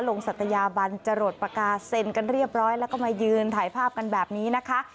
ศัตยาบันจรดปากกาเซ็นกันเรียบร้อยแล้วก็มายืนถ่ายภาพกันแบบนี้นะคะ